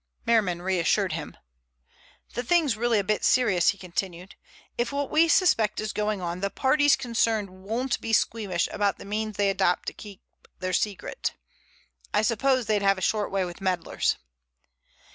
Merriman reassured him. "The thing's really a bit serious," he continued. "If what we suspect is going on, the parties concerned won't be squeamish about the means they adopt to keep their secret. I imagine they'd have a short way with meddlers."